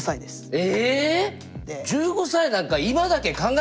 え！